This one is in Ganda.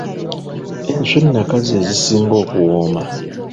Enswa ennaka ze zisinga okuwooma.